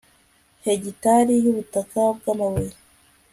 Hegitari yubutaka bwamabuye